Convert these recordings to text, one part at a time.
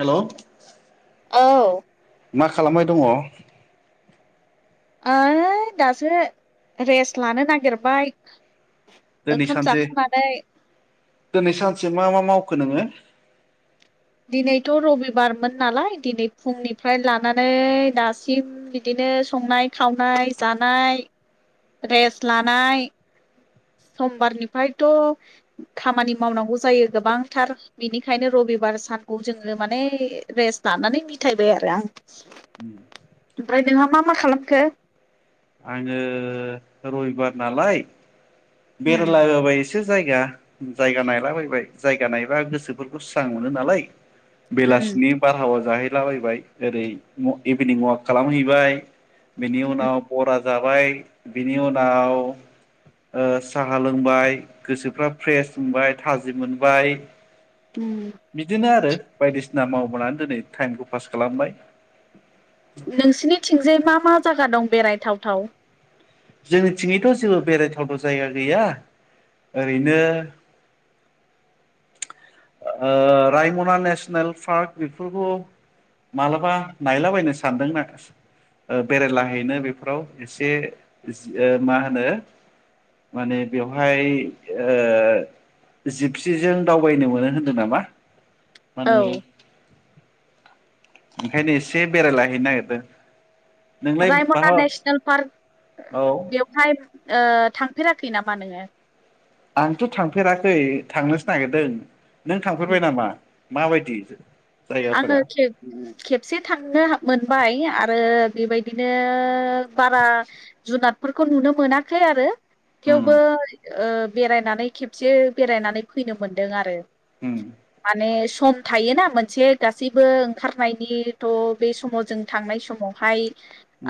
हेल औ मा खालामबाय दङ ओइ दासो रेस्ट लानो नागिरबाय दिनै ओंखाम सानसे जाखांनानै दिनै सानसे मा मा माव खो नोङो दिनैथ' रबिबारमोन नालाय दिनै फुंनिफ्राय लानानै दासिम बिदिनो नो संनाय खावनाय जानाय रेस्ट लानाय समबारनिफ्रायथ' खामानि मावनांगौ जायो गोबांथार बिनिखायनो रबि रबिबार सानखौ जोंनो माने रेस्ट लानानै मिथायबाय आरो आं ओमफ्राय नोंहा मा मा खालामखो आङो रबिबार नालाय उम बेरायला हैबाय मोनसे जायगा जायगा नायलाबायबाय जायगा नायबा गोसोफोरखौ स्रां मोनो नालाय उम बेलासिनि बारहावा जाहै लाबायबाय ओरै इभिनिं अवाक खालामहैबाय बेनि उनाव फरा जाबाय बिनि उनाव ओ साहा लोंबाय गोसोफ्रा फ्रेस मोनबाय थाजि मोनबाय बिदिनो आरो बायदिसिना मावबोनानै दोनै टाइमखौ पास खालामबाय नोंसिनिथिंजाय मा मा जायगा दं बेरायथाव थाव जोंनिथिंयैथ' जेबो बेरायथावथाव जायगा गैया ओरैनो ओ रायमना नेसनेल पार्क बेफोरखौ मालाबा नायलाबायनो सानदोंना। बेरायलाहैनो बेफोराव एसे मा होनो। माने बेवहाय ओ जिपसिजों दावबायनो मोनो। होनदो नामा माने। औ ओंखायनो एसे बेरायलाहैनो नागिरदों। नोंलाय रायमना बहा नेसनेल पार्क औ बेवहाय। ओ थांफेराखै नामा नोङो? आंथ' थांफेराखै थांनोसो नागिरदों नों थांफेरबाय नामा? माबायदि? आङो जायगाफोरा खेबसे थांनो मोनबाय। आरो बेबायदिनो बारा जुनादफोरखौ नुनो मोनाखै आरो। थेवबो उम ओ बेरायनानै खेबसे बेरायनानै फैनो मोनदों आरो। माने सम थायोना मोनसे। गासैबो ओंखारनायनिथ' बे समाव जों थांनाय समावहाय।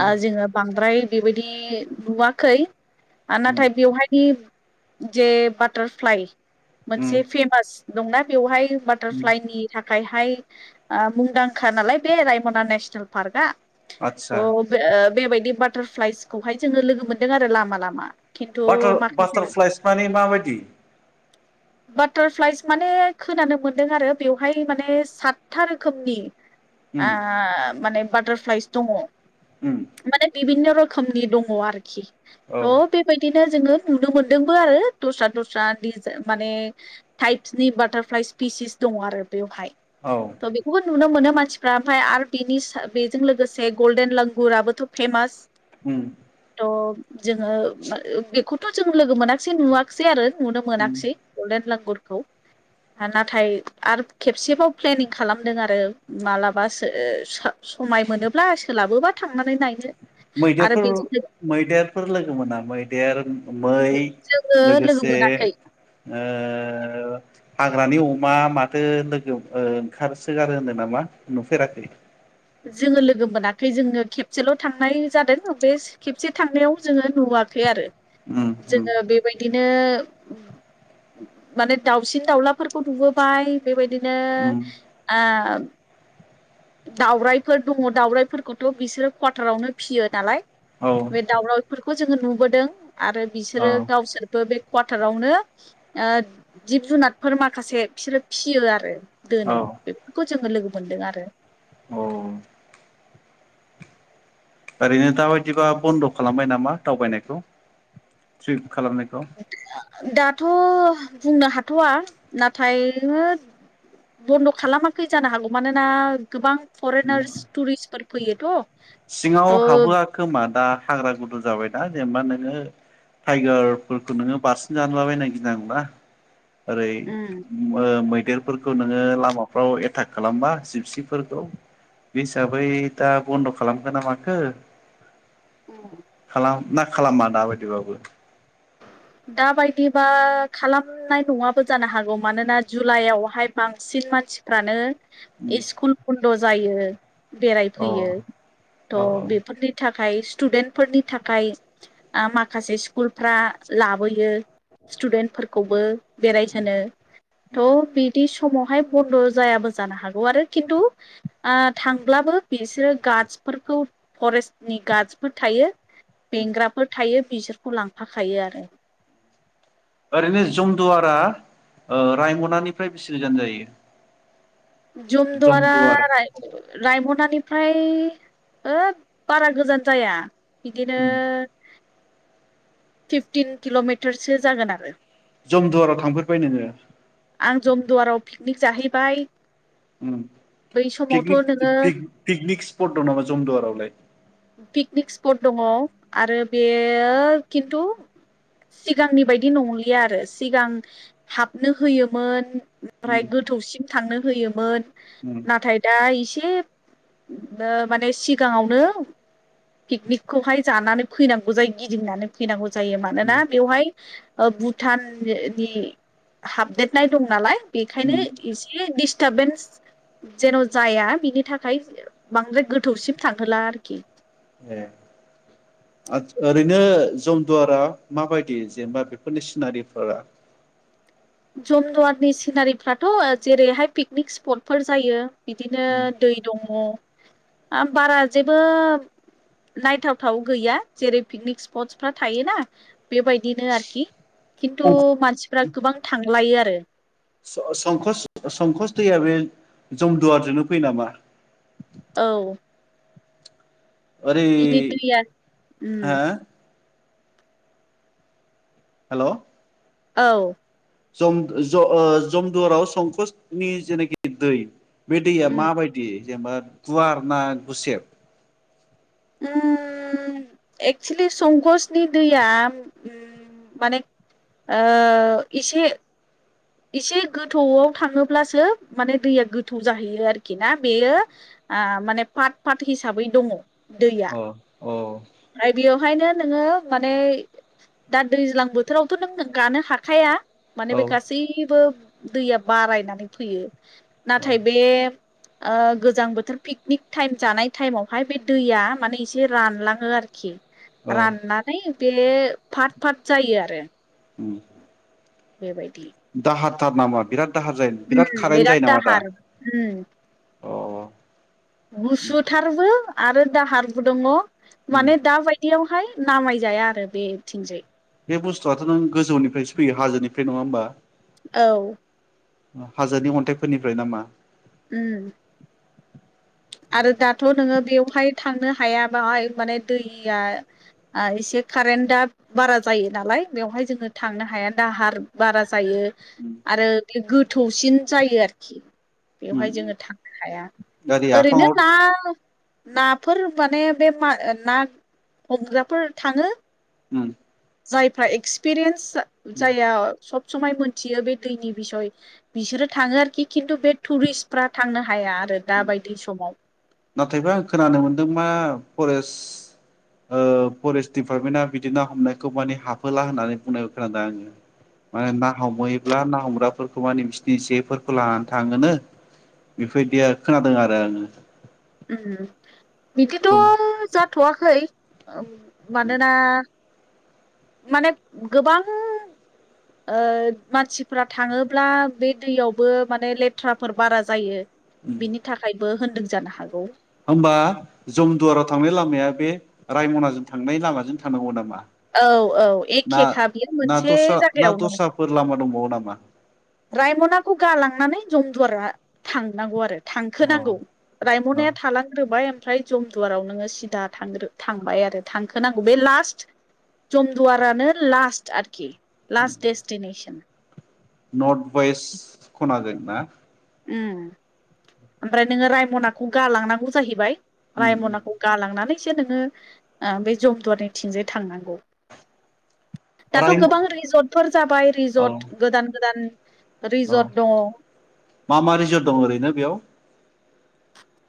ओ जोङो बांद्राय बेबायदि नुवाखै। आ नाथाय बेवहाय जे बाटारफ्लाइ। मोनसे फेमास दंना बेवहाय बाटारफ्लाइनि थाखायहाय। ओ मुंदांखा नालाय बे रायमना नेसनेल पार्कआ थ आदसा बेबायदि। बे बाटारफ्लाइसखौहाय जोङो लोगो मोनदों आरो लामा लामा। खिन्थु बाटार माखासे बाटारफ्लाइस माने माबायदि? बाटारफ्लाइस माने खोनानो मोनदों आरो बेवहाय माने सात था रोखोमनि ओ उम माने बाटारफ्लाइस दङ। उम माने बिभिन्न' रोखोमनि दङ आरोखि औ थ बेबायदि नो जोङो नुनो मोनदोंबो आरो दस्रा दस्रा माने टाइपसनि बाटारफ्लायस। पिसिस दङ आरो बेवहाय औ त' बेखौबो नुनो मोनो। मानसिफ्रा ओमफ्राय आरो बेनि बेजों लोगोसे गल्डेन लगुराबोथ' फेमास। उम। अ जोङो बेखौथ' जों लोगो मोनाखसै नुवाखसै आरो। नुनो उम मोनाखिसै गल्डेन लांगुरखौ नाथाय आरो खेबसेबाव। प्लेनिं खालामदों आरो माब्लाबाो समाय मोनोब्ला सोलाबोबा। थांनानै नायनो। आरो मैदेरफोर बेजों मैदेरफोर लोगो मोना मैदेर। मै जोङो लोगो लोगोसे मोनाखै ओ हाग्रानि अमा माथो लोगो ओंखारसोगारो होनदों नामा नुफेराखै? जोङो लोगो मोनाखै जोङो खेबसेल' थांनाय जादों बे खेबसे थांनायाव जोङो नुवा आखै आरो उम उम जोंङो बेबायदि। नो माने दाउसिन दाउलाफोरखौ नुबोबाय बेबायदि। नो उम आ दावरायफोर दङ दावरायाइफोरखौथ' बिसोरो कवाटारावनो फियो नालाय। औ बे दावरावफोरखौ जोङो नुबोदों आरो औ बिसोरो गावसोरबो बे कवाटारावनो। ओ जिब जुनारफोर माखासे बिसोरो फियो आरो दोनो औ बेफोरखौ जोङो लोगो मोन मोनदों आरो। औ ओरैनो दााबायदिबा बन्द' खालामबाय नामा दावबायनायखौ थ्रिप खालामनायखौ? दाथ' बुंनो हाथ'वा नाथाय। बन्द' खालामाखै जानो हागौ मानोना गोबां फरेनार्स टुरिस्टफोर फैयोथ'। सिङाव थ' हाबोआ खोमा दा हाग्रा गुदुं जाबायना जेनेबा नोङो। टाइगारफोरखौ नोङो बारसिन जालाबायनो गिनांगौना। ओरै उम मोमै। देरफोरखौ नोङो लामाफ्राव एथाक खालामबा जिबसिफोरखौ। बे हिसाबै दा बन्द' खालामगोन ना माखो उम। खालाम ना खालामा दाबायदिबाबो दाबायदिबा खालामनाय नंङाबो जानो हागौ मानोना जुलाइआवहाय बांसिन मानसिफ्रानो उम स्कुल बन्द' जायो अ औ बेरायफैयो औ थ' बेफोरनि थाखाय थाखाय स्टुडेन्टफोरनि थाखाय माखासे स्कुलफ्रा लाबोयो स्टुडेन्टफोरखौबो बेरायहोनो थ' बिदि समावहाय बन्द' जायाबो जानो हागौ आरो खिन्थु थांब्लाबो बिसोरो गार्डस फोरखौ फरेस्टनि गार्डजफोर थायो बेंग्राफोर थायो बिसोरखौ लांफाखायो आरो ओरैनो जमदुवारा रायमनानिफ्राय बेसे गोजान जायो? जम दवारा जमदुवार रायमनाानि फ्राय होब बारा गोजान जाया बिदिनो उम फिफटिन किल'मिटारसो जागोन आरो जमदुवाराव थांफेरबाय नोंङो? आं जमदुवाराव पिकनिक जाहैबाय बै समावथ' नोङो पिकनिक स्पट दं नामा जमदुवारावलाय पिकनिक स्पट दंङ आरो बेयो खिन्थु सिगांनि बायदि नंलिया आरो सिगां हाबनो होयोमोन उम ओमफ्राय गोथौसिम थांनो होयोमोन उम नाथाय दा एसे माने सिगांङावनो पिकनिकखौहाय जानानै फैनांगौ जायो गिदिंनानै फैनांगौ जायो मानोना उम बेवहाय भुटाननि हाबदेरनाय दं नालाय बेखायनो उम एसे दिटारबेनस जेन' जाया बिनि थाखाय बांद्राय गोथौसिम थांहोला आरोखि ए ओरैनो जमदुवारा माबायदि जेनेबा बेफोरनि सिनारिफोरा जमदुवारनि सिनारिफ्राथ' जेरैहाय पिकनिक स्पटफोर जायो बिदिनो दै दंङ आरो बारा जेबो नायथावथाव गैया जेरै पिकनिक स्पटसफ्रा थायोना बेबायदिनो आरोखि खिन्थु उम मानसिफ्रा गोबां थांलायो आरो संक संकस दैया बे जमदुवारजोंनो फैयो नामा? औ अरै बिनि दैया हा उम हेल' औ जम ज जमदुवाराव संकसनि जेनाखि दै बे दैया उम माबायदि जेनेबा गुवार ना गुसेब उम एक्सूलि संकसनि दैया माने इसे एसे गोथौआव थांङोब्लासो माने दैया गोथौ जाहैयो आरोखि ना बेयो माने पाट पाट हिसाबै दंङ अ औ बेवहायनो नोंङो माने दा दैज्लां बोथोरावथ' नों गानो हाखाया माने औ बे गासैबो दैया बारायनानै फैयो औ नाथाय बे गोजां बोथोर पिकनिक टाइम जानाय टाइमावहाय बे दैया माने एसे रानलां आरोखि औ राननानै बे फत फाथ जायो आरो बेबायदि दाहार थार नामा बिराद दाहार जायो बिराद उम कारेन्ट जायो नामा दा दाहार उम अ उम गुसुथारबो आरो दाहारबो दङ उम माने दााबायदियावहाय नामाय जाया आरो बे थिंजाय बे बुस्थुआथ' नों गोजौनिफ्रायसो फैयो हाजोनिफ्राय नङा होनोमबा औ हाजोनि अन्थाइफोरनिफ्राय नामा ओम आरो दाथ' नोङो बेवहाय थांनो हायाबाहाय माने दैया एसे कारेन्टा बारा जायो नालाय बेवहाय जोङो थांनो हाया दाहार बारा जायो आरो गोथौसिन जायो आरोखि बेवहाय जोङो थांनो हाया गारि ओरैनो आफाङाव ना नाफोर माने बे मा ना हमग्राफोर थाङो ओम जायफ्रा एक्सपिरियेन्स जायहा सब समाय मोनथियो बे दैनि बिसय बिसोरो थाङो आरोखि खिन्थु बे टुरिस्टफ्रा थांनो हाया आरो दा बायदि नाथायबा आं खोनानो मोनदों मा फरेस्ट ओ फरेस्ट दिडपार्टमेन्टा बिदिनो हमनायखौ माने हाबफोला होननानै बुंनाय खोनादोंा आङो मा ना हमहैयोब्ला ना हमग्राफोरखौ माने बिसिनि जेफोरखौ लानानै थाङोनो बेफोरदिया खोनादों आरो आङो ओम बिदिथ' जम जाथ'वाखै मानोना माने गोबां ओ मानसिफ्रा थाङोब्ला बे दैयावबो माने लेथ्राफोर बारा जायो बिनि थाखायबो होनदों जानो हागौ होमबा जमदुवाराव थांनाय लामाया बे रायमनाजों थांनाय लामाजों थांनांगौ नामा औ औ ना एखेखा बियो ना मोनसे दस्रा ना जायगायावनो दस्राफोर लामा दंबावो नामा रायमनाखौ गालांनानै जमदुरा थांनांगौ आरो अ थांखोनांगौ अ रायमनाया थालांग्रोबाय ओमफ्राय जमदुवाराव नोङो सिदा थांग्रो थांबाय आरो थांखोनांगौ बे लास्ट जमदुवारानो लास्ट आरोखि लास्ट दडेस्टिनेसन नर्थ वेस्ट खनाजों ना ओम ओमफ्राय नोङो रायमनाखौ गालांनांगौ जाहैबाय उम उम रायमनाखौ गालांनानै से नोङो बे जमदुवारनि थिंजाय थांनांगौ दाथ' रायम गोबां रिजर्टफोर जाबाय औ रिजर्ट गोदान गोदान औ रिजर्ट दं मा मा रिजर्ट दं ओरैनो बेयाव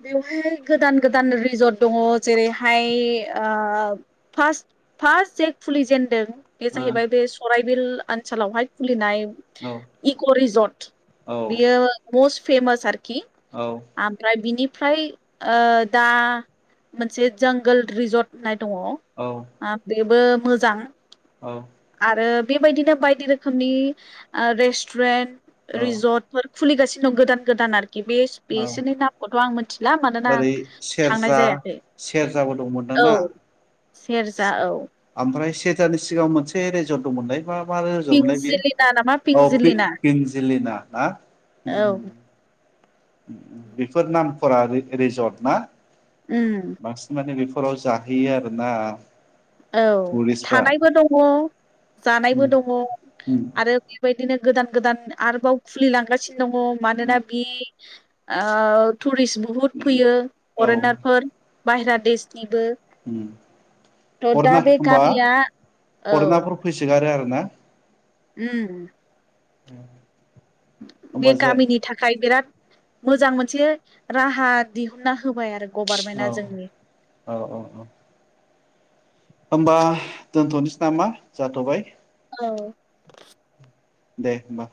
बेवहाय गोदान गोदान रिजर्ट दङ जेरैहाय आ फार्स्ट फार्स्ट जे खुलिजेनदों बे जाहैबाय बे सराइबिल ओनसोलावहाय खुलिनाय ओ औ इक' रिजर्ट औ बियो मस्ट फेमास आरोखि आमफ्राय बिनि ओमफ्राय ओ दा मोनसे जंगल रिजरट दङ औ बेबो मोजां औ आरो बेबायदिनो बायदि रोखोमनि रेस्टुरेन्ट औ रिजर्टफोर खुलिगासिनो दं गोदान गोदान आरोखि बे औ बेसिनि नामखौथ' आं मिथिला मानोना आं थांनाय जायाखै सेर जाबो दंमोन दां औ ना सेरजा औ थियेटारनि सिगां मोनसे रेजर्ट दंमोनलाय मा मा रिजरटमोनलाय बेयो पिंजिलिना नामा औ पि पिंजिलिना पिनजिलिना ना उम औ बेफोर नामफोरा रिजर्ट ना उम बांसिन माने बेफोराव जाहैयो आरोना औ टुरिस्टफ्रा थानायबो दङ जानायबो उम दङ उम आरो बेबायदिनो गोदान गोदान आरोबाव खुलिलांगासिनो दङ मानोना बि टुरिस बुहुत फैयो औ फरेनारफोर बाहेरा देशनिबो। थ' दा फरेनार बे होनबा गामिया औ फरेनाफोर फैसोगारो आरो ना? उम [unintelligible] बे होमबा जा गामिनि थाखाय बिराद मोजां मोनसे राहा दिहुनना होबाय आरो औ गभारनमेन्टआ जोंनि औ औ होमबा दोनथ'नोसै नामा जाथ'बाय। औ दे होमबा।